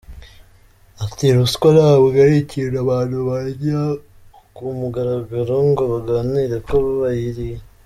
Ati “Ruswa ntabwo ari ikintu abantu barya ku mugaragaro ngo baganire ko bayiriye.